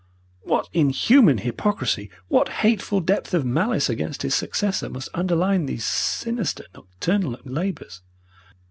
What inhuman hypocrisy, what hateful depth of malice against his successor must underlie these sinister nocturnal labours.